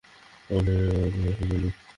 কারণ এর অধিবাসীরা জালিম।